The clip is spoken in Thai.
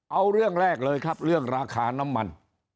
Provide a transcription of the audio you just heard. เอาเรื่องแรกเลยครับเรื่องราคาน้ำมัน